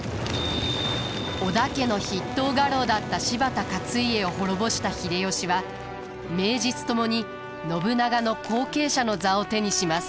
織田家の筆頭家老だった柴田勝家を滅ぼした秀吉は名実ともに信長の後継者の座を手にします。